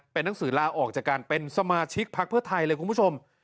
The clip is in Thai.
เป็นหนังสือลาออกจากการเป็นสมาชิกพักเพื่อไทยเลยคุณผู้ชม